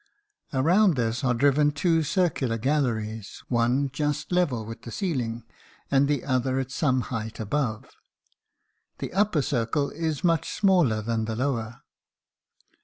Around this are driven two circular galleries one just level with the ceiling, and the other at some height above. The upper circle is much smaller than the lower.